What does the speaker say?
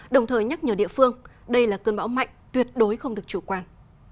đồng thời nhắc nhở địa phương đây là cơn bão mạnh tuyệt đối không được chủ quan